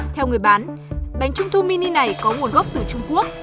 theo người bán bánh trung thu mini này có nguồn gốc từ trung quốc